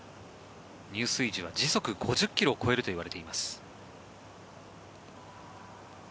入水時は時速５０ｋｍを超えるといわれています。